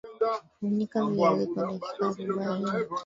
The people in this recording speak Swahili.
funika viazi kwa dakika arobaini